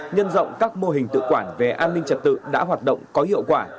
nhân rộng các mô hình tự quản về an ninh trật tự đã hoạt động có hiệu quả